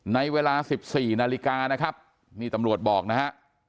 ในเวลา๑๔นาฬิกานะครับนี่ตำรวจบอกนะฮะ